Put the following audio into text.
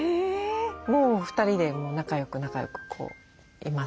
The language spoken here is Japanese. もう２人で仲良く仲良くいますね。